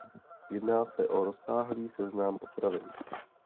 Jedná o rozsáhlý seznam potravin.